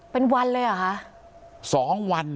เป็นวันเลยเหรอคะสองวัน